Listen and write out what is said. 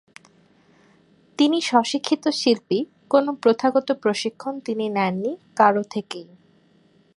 তিনি স্বশিক্ষিত শিল্পী, কোন প্রথাগত প্রশিক্ষণ তিনি নেননি কারো থেকেই।